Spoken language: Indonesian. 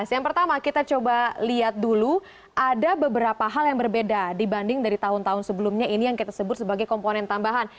yang pertama kita coba lihat dulu ada beberapa hal yang berbeda dibanding dari tahun tahun sebelumnya ini yang kita sebut sebagai komponen tambahan